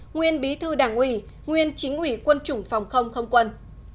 nguyên bí thư đảng ủy nguyên chính ủy quân chủng phòng không không quân